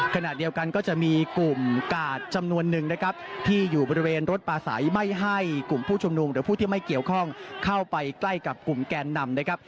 ขณะเดียวกันก็จะมีกลุ่มกาดจำนวนนึงนะครับที่อยู่บริเวณรถปลาใสไม่ให้กลุ่มผู้ชุมนุมหรือผู้ที่ไม่เกี่ยวข้องเข้าไปใกล้กับกลุ่มแกนนำนะครับ